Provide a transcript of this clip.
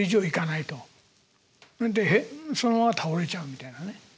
でそのまま倒れちゃうみたいなね。